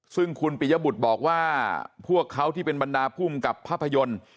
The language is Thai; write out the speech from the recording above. ซึ่งคุณปิยบุตรบอกว่าพวกเขาที่เป็นบรรดาภูมิกับภาพยนตร์